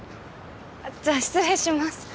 あっじゃあ失礼します。